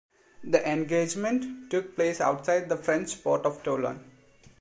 The engagement took place outside the French port of Toulon.